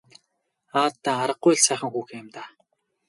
Аа даа аргагүй л сайхан хүүхэн юм даа.